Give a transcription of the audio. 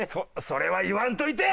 それは言わんといて！